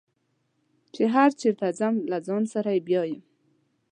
چې هر چېرته ځم له ځان سره یې بیایم.